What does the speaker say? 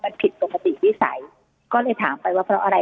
มันผิดปกติวิสัยก็เลยถามไปว่าเพราะอะไร